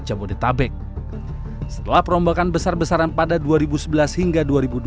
jabodetabek setelah perombakan besar besaran pada dua ribu sebelas hingga dua ribu dua puluh